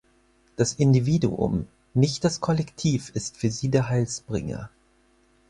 Das Individuum, nicht das Kollektiv ist für sie der Heilsbringer.